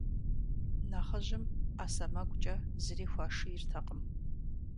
Нэхъыжьым Ӏэ сэмэгукӀэ зыри хуашийртэкъым.